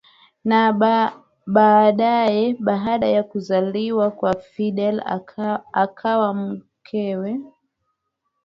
na baadae baada ya kuzaliwa kwa Fidel akawa mkewe